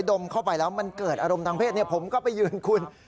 ดมเข้าไปแล้วมันเกิดอารมณ์ทางเพศผมก็ไปยืนคุณ